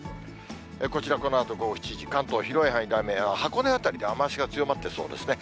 こちら、このあと午後７時、関東、広い範囲で雨、箱根辺りで雨足が強まってそうですね。